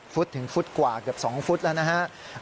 ฟุตถึงฟุตกว่าเกือบ๒ฟุตแล้วนะฮะ